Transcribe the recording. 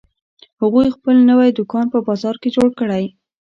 هغوی خپل نوی دوکان په بازار کې جوړ کړی